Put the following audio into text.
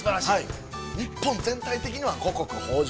日本全体的には、五穀豊穣。